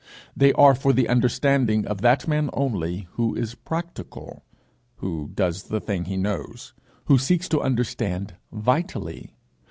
They are for the understanding of that man only who is practical who does the thing he knows, who seeks to understand vitally.